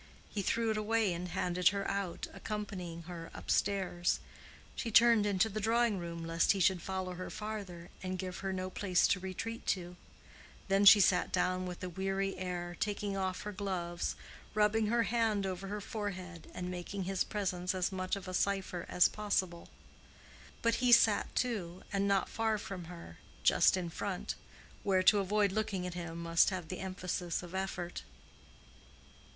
He threw it away and handed her out, accompanying her up stairs. She turned into the drawing room, lest he should follow her farther and give her no place to retreat to; then she sat down with a weary air, taking off her gloves, rubbing her hand over her forehead, and making his presence as much of a cipher as possible. But he sat, too, and not far from her—just in front, where to avoid looking at him must have the emphasis of effort.